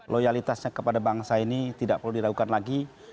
loyalitasnya kepada bangsa ini tidak perlu diragukan lagi